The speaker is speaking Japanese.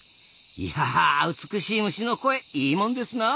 いや美しい虫の声いいもんですなあ。